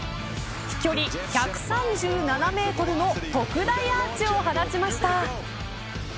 飛距離１３７メートルの特大アーチを放ちました。